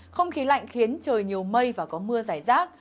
không khí lạnh khiến trời nhiều mây và có mưa giải rác